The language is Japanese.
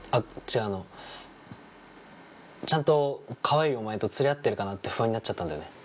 あのちゃんとかわいいお前と釣り合ってるかなって不安になっちゃったんだよね